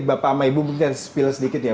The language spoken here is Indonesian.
bapak sama ibu mungkin skill sedikit ya